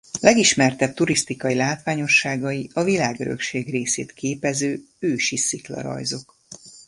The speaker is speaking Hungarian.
Legismertebb turisztikai látványosságai a Világörökség részét képező ősi sziklarajzok.